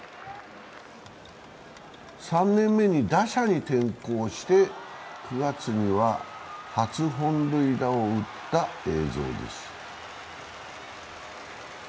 ３年目に打者に転向して、９月には初本塁打を打った映像です。